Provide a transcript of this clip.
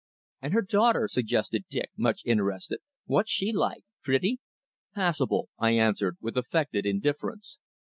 "And her daughter?" suggested Dick, much interested. "What's she like? Pretty?" "Passable," I answered, with affected indifference.